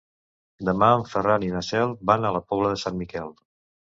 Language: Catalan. Demà en Ferran i na Cel van a la Pobla de Sant Miquel.